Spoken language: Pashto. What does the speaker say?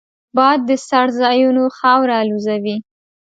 باد د څړځایونو خاوره الوزوي